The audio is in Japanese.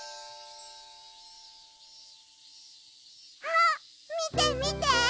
あっみてみて！